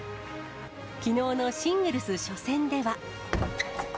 きのうのシングルス初戦では。